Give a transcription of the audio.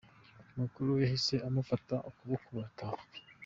Mukuru we yahise amufata akaboko barataha.